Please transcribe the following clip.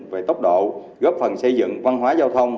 về tốc độ góp phần xây dựng văn hóa giao thông